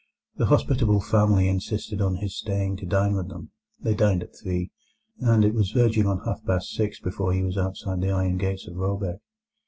The hospitable family insisted on his staying to dine with them—they dined at three—and it was verging on half past six before he was outside the iron gates of Råbäck.